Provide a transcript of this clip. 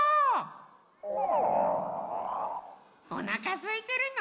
おなかすいてるの？